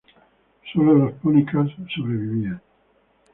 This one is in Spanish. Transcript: Solo los pony cars sobrevivían.